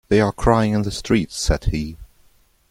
"They are crying it in the streets," said he.